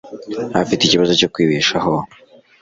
Afite ikibazo cyo kwibeshaho.